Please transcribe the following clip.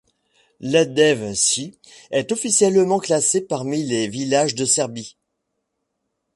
Lađevci est officiellement classé parmi les villages de Serbie.